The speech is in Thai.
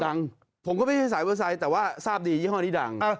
ผมก็ไม่ใช่สายเบอร์ไซค์แต่ว่าทราบดียี่ห้อนี้ดัง